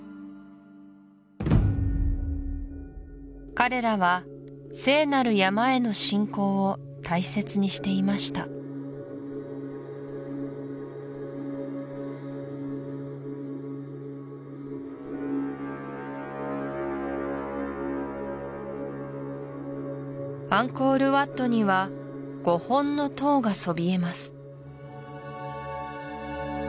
彼らは聖なる山への信仰を大切にしていましたアンコール・ワットには５本の塔がそびえます